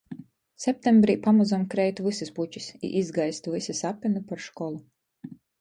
Septembrī pamozom kreit vysys pučis i izgaist vysi sapyni par školu.